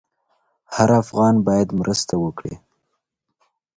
هر افغان بايد مرسته وکړي.